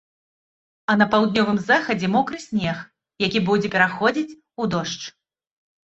А на паўднёвым захадзе мокры снег, які будзе пераходзіць у дождж.